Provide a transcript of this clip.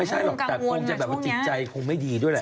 ไม่ใช่หรอกแต่คงจะแบบว่าจิตใจคงไม่ดีด้วยแหละ